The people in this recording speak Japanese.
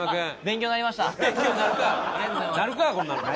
勉強になるか！